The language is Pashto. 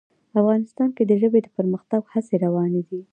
افغانستان کې د ژبې د پرمختګ هڅې روانې دي.